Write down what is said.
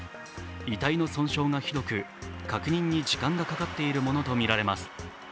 遺体の損傷がひどく、確認に時間がかかっているものとみられます。